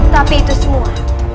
tapi itu semua